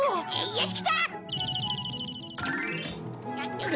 よしきた！